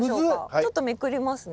ちょっとめくりますね。